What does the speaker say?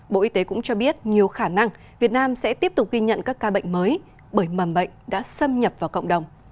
bộ y tế cũng cho biết nhiều khả năng việt nam sẽ tiếp tục ghi nhận các ca bệnh mới bởi mầm bệnh đã xâm nhập vào cộng đồng